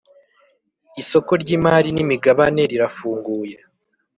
Isoko ry imari n imigabane rirafunguye.